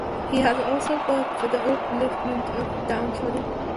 He has also worked for the upliftment of downtrodden.